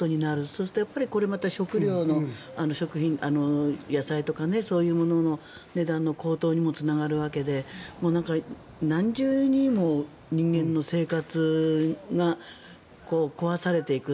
そして、これまた食料の野菜とかそういうものの値段の高騰にもつながるわけで、何重にも人間の生活が壊されていく。